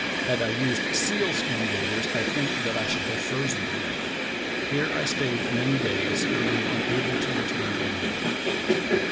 Had I used seal skin gaiters I think that I should have frozen to death. Here I stayed many days, being unable to return alone."